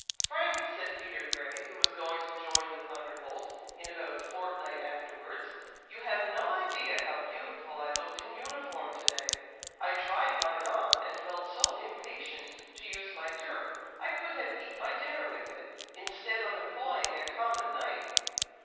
"Frank!" said Peter Grey, who was going to join the Thunderbolt, in about a fortnight afterwards, "you have no idea how beautiful I looked in uniform to day! I tried mine on, and felt so impatient to use my dirk, I could have eat my dinner with it, instead of employing a common knife."